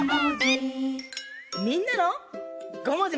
みんなの「ごもじもじ」。